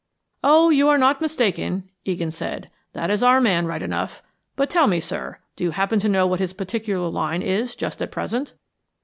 "Oh, you're not mistaken," Egan said. "That is our man right enough. But tell me, sir, do you happen to know what his particular line is just at present?"